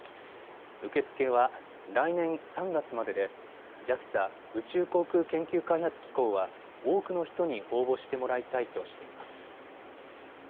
受け付けは来年３月まででＪＡＸＡ・宇宙航空研究開発機構は多くの人に応募してもらいたいとしています。